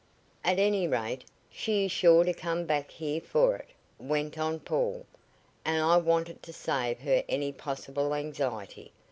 "At any rate, she is sure to come back here for it," went on Paul, "and I wanted to save her any possible anxiety.